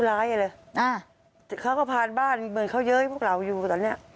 อ่าเขาก็พาบ้านเหมือนเขาเย้ยพวกเราอยู่ตอนเนี้ย